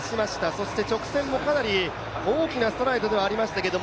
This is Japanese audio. そして直線もかなり大きなストライドではありましたけど